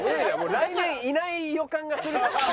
来年いない予感がする。